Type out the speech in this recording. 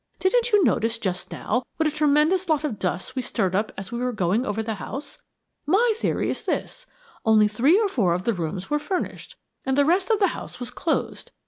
Didn't you notice just now what a tremendous lot of dust we stirred up as we were going over the house? My theory is this only three or four of the rooms were furnished, and the rest of the house was closed.